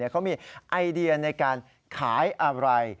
เขามีไอเดียในการขายอะไร